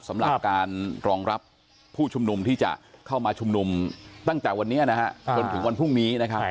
สำหรับการรองรับผู้ชุมนุมที่จะเข้ามาชุมนุมตั้งแต่วันนี้นะฮะจนถึงวันพรุ่งนี้นะครับ